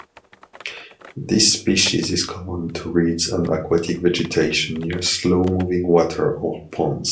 This species is common to reeds and aquatic vegetation near slow-moving water or ponds.